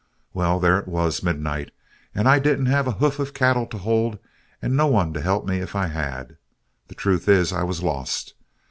Well, there it was midnight, and I didn't have a HOOF OF CATTLE to hold and no one to help me if I had. The truth is, I was lost.